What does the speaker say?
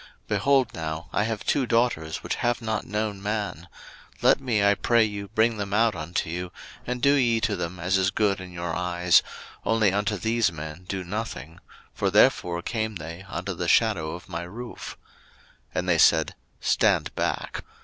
01:019:008 Behold now, I have two daughters which have not known man; let me, I pray you, bring them out unto you, and do ye to them as is good in your eyes: only unto these men do nothing; for therefore came they under the shadow of my roof. 01:019:009 And they said, Stand back.